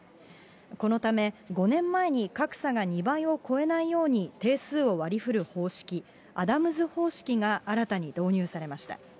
このため、５年前に格差が２倍を超えないように定数を割りふる方式、アダムズ方式が新たに導入されました。